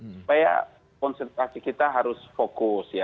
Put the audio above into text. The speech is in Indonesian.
supaya konsentrasi kita harus fokus ya